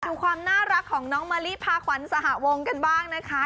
ดูความน่ารักของน้องมะลิพาขวัญสหวงกันบ้างนะคะ